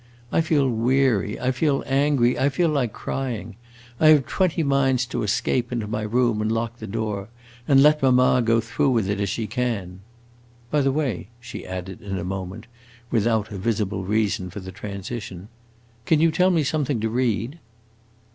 I feel weary, I feel angry, I feel like crying. I have twenty minds to escape into my room and lock the door and let mamma go through with it as she can. By the way," she added in a moment, without a visible reason for the transition, "can you tell me something to read?"